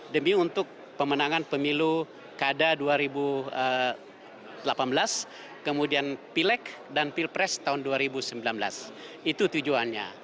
demi untuk pemenangan pemilu kada dua ribu delapan belas kemudian pilek dan pilpres tahun dua ribu sembilan belas itu tujuannya